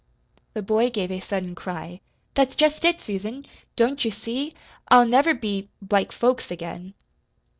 The boy gave a sudden cry. "That's just it, Susan. Don't you see? I'll never be like folks again."